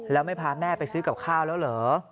แล้วไม่พาแม่ไปซื้อกับข้าวแล้วเหรอ